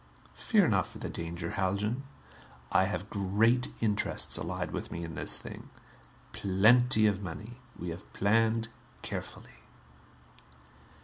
Fear not for the danger, Haljan. I have great interests allied with me in this thing. Plenty of money. We have planned carefully."